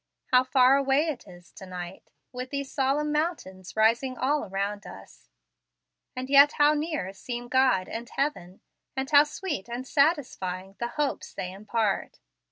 How far away it is to night, with these solemn mountains rising all around us; and yet how near seem God and heaven, and how sweet and satisfying the hopes they impart!